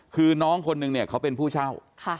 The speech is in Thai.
คือน้องคนนึงเป็นผู้เช่า